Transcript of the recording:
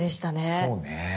そうね。